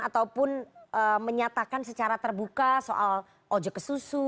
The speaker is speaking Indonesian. ataupun menyatakan secara terbuka soal ojek kesusu